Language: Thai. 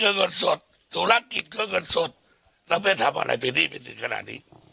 ก็เงินสดธุรกิจก็เงินสดแล้วไปทำอะไรไปนี่ไปถึงขนาดนี้